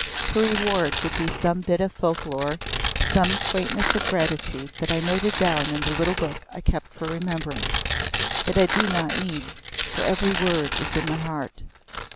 Her reward would be some bit of folk lore, some quaintness of gratitude that I noted down in the little book I kept for remembrance that I do not need, for every word is in my heart.